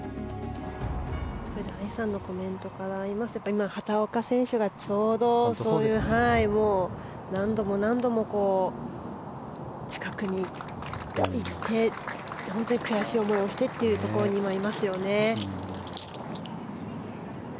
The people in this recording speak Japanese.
藍さんのコメントにありましたが畑岡選手がちょうどそういう何度も何度も近くに行って本当に悔しい思いをしてというところにいますよね。